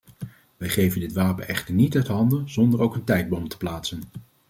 Wij geven dit wapen echter niet uit handen zonder ook een tijdbom te plaatsen.